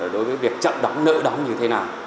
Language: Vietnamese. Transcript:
đối với việc chậm đóng nợ đóng như thế nào